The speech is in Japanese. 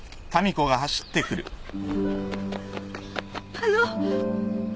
あの。